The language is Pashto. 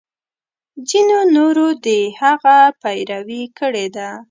ځینو نورو د هغه پیروي کړې ده.